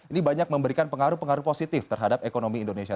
ini banyak memberikan pengaruh pengaruh positif terhadap ekonomi indonesia